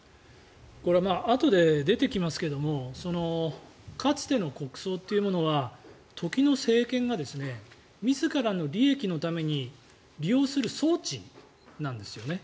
これはあとで出てきますけどもかつての国葬というものは時の政権が自らの利益のために利用する装置なんですよね。